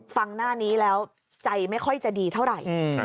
ฟังหน้านี้แล้วใจไม่ค่อยจะดีเท่าไหร่